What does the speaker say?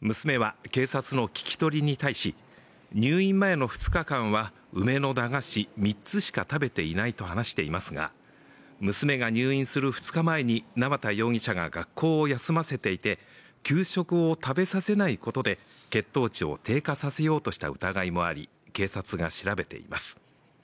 娘は警察の聞き取りに対し、入院前の２日間は、梅の駄菓子三つしか食べていないと話していますが、娘が入院する２日前に縄田容疑者が学校を休ませていて、給食を食べさせないことで血糖値を低下させようとした疑いもあり、警察が調べています。